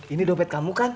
ini dopet kamu kan